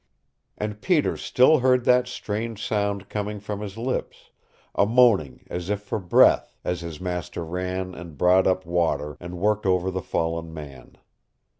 And Peter still heard that strange sound coming from his lips, a moaning as if for breath, as his master ran and brought up water, and worked over the fallen man.